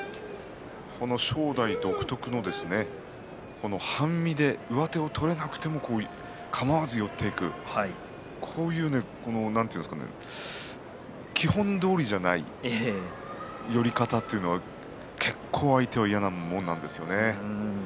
正代独特の半身で上手を取れなくてもかまわず寄っていく基本どおりじゃない寄り方というのは結構相手は嫌なもんなんですよね。